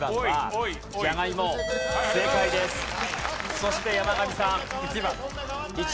そして山上さん。